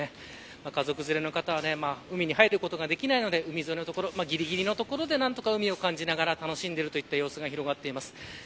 家族連れの方は海に入ることができないので海沿いのぎりぎりの所で何とか海を感じながら楽しんでいる様子が広がっています。